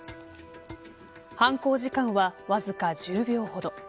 犯行時間はわずか１０秒ほど。